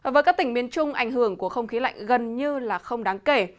với các tỉnh miền trung ảnh hưởng của không khí lạnh gần như là không đáng kể